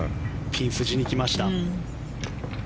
ピン筋に来ました。